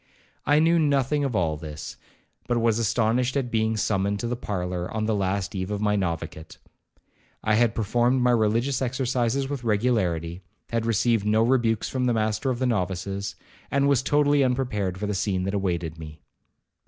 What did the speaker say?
I knew nothing of all this, but was astonished at being summoned to the parlour on the last eve of my noviciate. I had performed my religious exercises with regularity, had received no rebukes from the master of the novices, and was totally unprepared for the scene that awaited me.